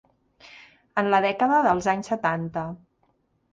En la dècada dels anys setanta.